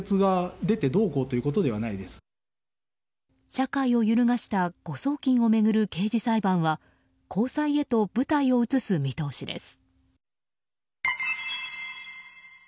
社会を揺るがした誤送金を巡る刑事裁判は高裁へと舞台を移す見通しです。